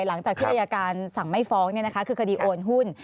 หลังจากที่อายการสั่งไม่ฟ้องคือคดีโอนหุ้น